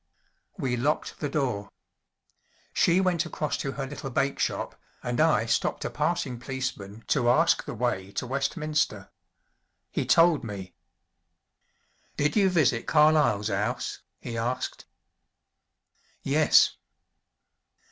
We locked the door. She went across to her little bakeshop and I stopped a passing policeman to ask the way to Westminster. He told me. "Did you visit Carlyle's 'ouse?" he asked. "Yes."